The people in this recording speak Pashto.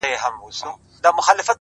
خیال دي _